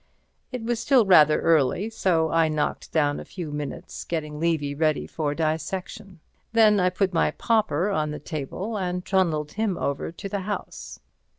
It was still rather early, so I knocked down a few minutes getting Levy ready for dissection. Then I put my pauper on the table and trundled him over to the house.